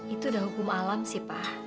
itu udah hukum alam sih pak